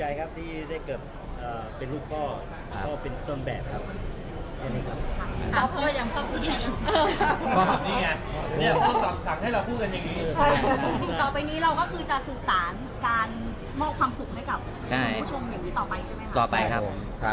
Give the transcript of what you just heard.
ให้กับคุณผู้ชมอย่างนี้ต่อไปใช่ไหมครับ